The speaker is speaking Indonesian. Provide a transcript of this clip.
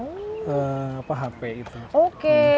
oke jangan jangan justru ya itu ya